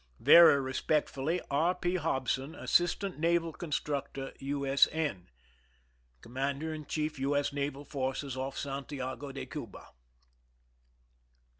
Very respectfully, R. P. HOBSON, Assistant Naval Constructor, U. S. N. Commander in Chief U. S. Naval Forces, Off Santiago de Cuba.